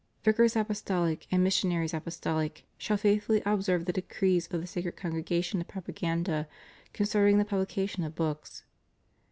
Vicars apostoHc and missionaries apostohc shall faithfully observe the decrees of the Sacred Congregation of Propaganda concerning the pubUcation of books.